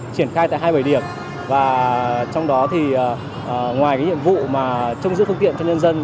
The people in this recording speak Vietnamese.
triển khai tại hai bảy điểm và trong đó thì ngoài nhiệm vụ trông giữ phương tiện cho nhân dân